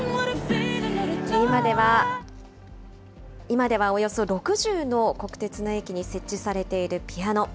今ではおよそ６０の国鉄の駅に設置されているピアノ。